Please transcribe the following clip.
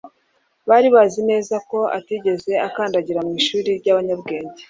Bari bazi neza ko atigeze akandagira mu ishuri ry'abanyabwenge,